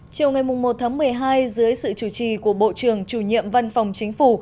chiều ngày một tháng một mươi hai dưới sự chủ trì của bộ trưởng chủ nhiệm văn phòng chính phủ